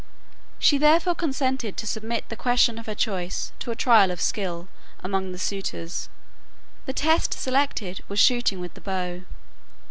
She therefore consented to submit the question of her choice to a trial of skill among the suitors. The test selected was shooting with the bow.